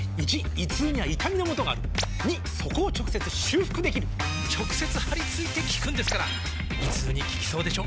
①胃痛には痛みのもとがある②そこを直接修復できる直接貼り付いて効くんですから胃痛に効きそうでしょ？